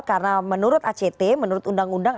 karena menurut act menurut undang undang